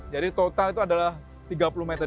jadi total itu adalah tiga puluh meter